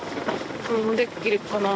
できるかな。